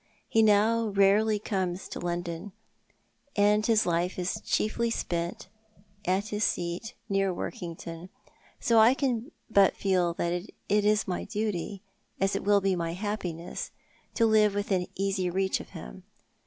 He now rarely comes to London, and his life is chiefly spent at his seat near Workington, so I can but feel that it is my duty, as it will be my happiness, to live within easy reach of him.